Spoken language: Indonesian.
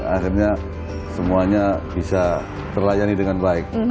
akhirnya semuanya bisa terlayani dengan baik